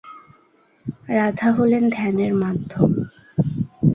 রাধা হলেন ধ্যানের মাধ্যম।